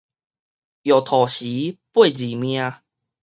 落塗時，八字命